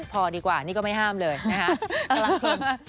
พอดีกว่านี่ก็ไม่ห้ามเลยนะฮะ